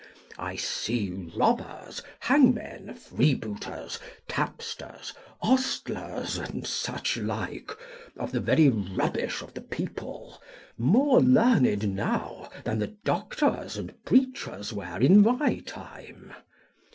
I see robbers, hangmen, freebooters, tapsters, ostlers, and such like, of the very rubbish of the people, more learned now than the doctors and preachers were in my time.